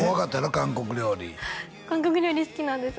韓国料理韓国料理好きなんです